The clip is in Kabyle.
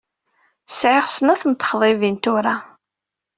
Sɛiɣ snat n texḍibin tura.